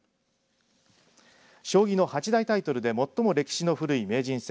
将棋の八大タイトルで最も歴史の古い名人戦